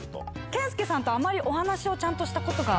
健介さんとあまりお話をちゃんとしたことが。